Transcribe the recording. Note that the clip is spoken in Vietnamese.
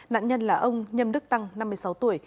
nạn nhân là ông nhâm đức tăng năm mươi sáu tuổi